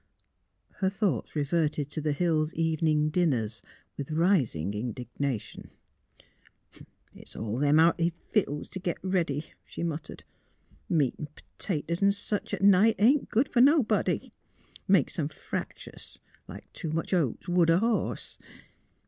Her thoughts reverted to the Hills' evening dinners with rising indignation. ," It's all them hearty vittles t' git ready," she muttered. " Meat 'n' p'tatoes 'n' sich at night ain't good fer nobody. Makes 'em frac tious, like too much oats would a horse.